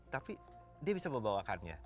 tapi dia bisa membawakannya